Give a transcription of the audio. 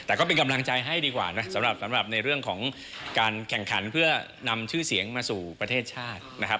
แต่ก็เป็นกำลังใจให้ดีกว่านะสำหรับในเรื่องของการแข่งขันเพื่อนำชื่อเสียงมาสู่ประเทศชาตินะครับ